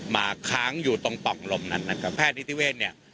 ค้างอยู่ตรงป่องลมนั้นนะครับแพทย์นิติเวศเนี่ย